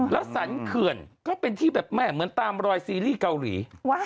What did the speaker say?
แล้วสรรเขื่อนก็เป็นที่แบบแม่เหมือนตามรอยซีรีส์เกาหลี